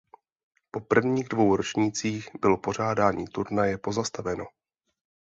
Po prvních dvou ročnících bylo pořádání turnaje pozastaveno.